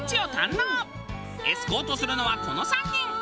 エスコートするのはこの３人。